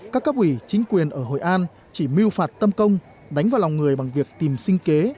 các cấp ủy chính quyền ở hội an chỉ mưu phạt tâm công đánh vào lòng người bằng việc tìm sinh kế